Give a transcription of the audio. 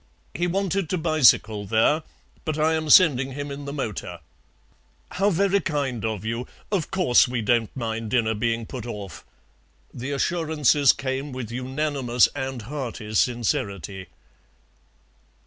He wanted to bicycle there, but I am sending him in the motor." "How very kind of you! Of course we don't mind dinner being put off." The assurances came with unanimous and hearty sincerity.